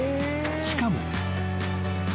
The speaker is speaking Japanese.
［しかも］